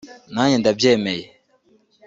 Nanjye ndabyemeye